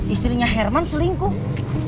istrinya herman selingkuh